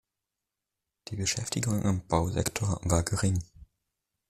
Die Beschäftigung im Bausektor war gering.